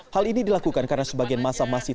hal ini dilakukan karena sebagian masa masih